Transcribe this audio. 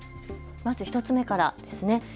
まず１つ目からですね。